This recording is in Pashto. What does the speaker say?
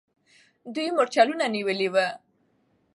دوی مرچلونه نیولي وو.